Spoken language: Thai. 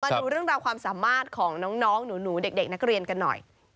ดูเรื่องราวความสามารถของน้องหนูเด็กนักเรียนกันหน่อย